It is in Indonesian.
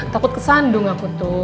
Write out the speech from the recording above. takut kesandung aku tuh